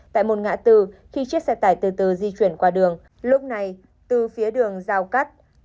tại một ngã từ khi chiếc xe tải từ từ di chuyển qua đường lúc này từ phía đường giao cắt